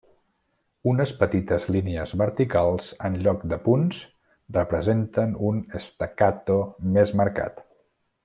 Unes petites línies verticals en lloc de punts representen un staccato més marcat.